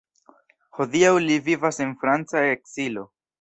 Hodiaŭ li vivas en franca ekzilo.